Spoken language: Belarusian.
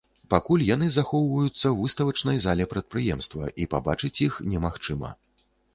Пакуль яны захоўваюцца ў выставачнай зале прадпрыемства, і пабачыць іх немагчыма.